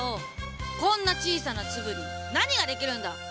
こんな小さな粒に何ができるんだ！